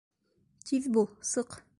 Тиҙ бул сыҡ!